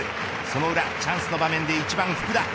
その裏、チャンスの場面で１番、福田。